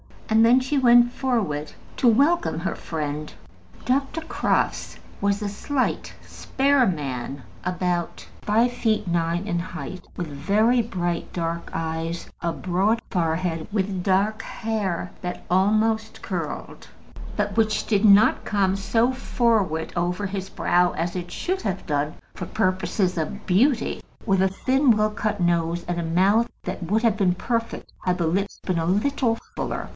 And then she went forward to welcome her friend. Dr. Crofts was a slight, spare man, about five feet nine in height, with very bright dark eyes, a broad forehead, with dark hair that almost curled, but which did not come so forward over his brow as it should have done for purposes of beauty, with a thin well cut nose, and a mouth that would have been perfect had the lips been a little fuller.